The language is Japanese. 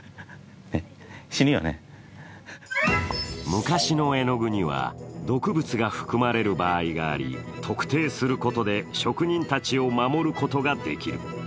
昔の絵の具には毒物が含まれる場合があり、特定することで職人たちを守ることができる。